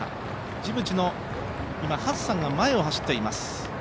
ジブチのハッサンが前を走っています。